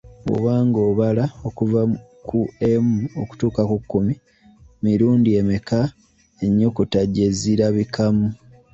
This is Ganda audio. Bw'oba ng'obala okuva ku emu okutuuka ku kumi , mirundi emeka ennyukuta gye zirabikamu?